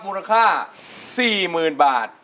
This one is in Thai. มูลค่า๔๐๐๐บาท